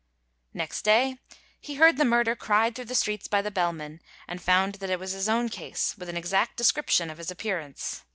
Next day he heard the murder cried through the streets by the bellman, and found that it was his own case, with an exact description of his appearance.